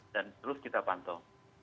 dan terus kita pantau